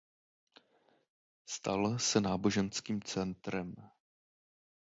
Stal se náboženským centrem.